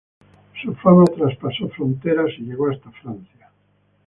Su fama traspasó fronteras y llegó hasta Francia.